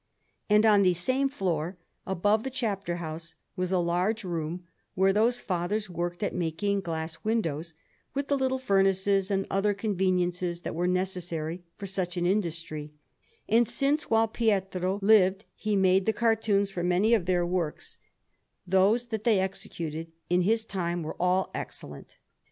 And on the same floor, above the chapter house, was a large room where those fathers worked at making glass windows, with the little furnaces and other conveniences that were necessary for such an industry; and since while Pietro lived he made the cartoons for many of their works, those that they executed in his time were all excellent.